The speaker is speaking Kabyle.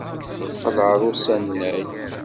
Teqqel ɣer usanay.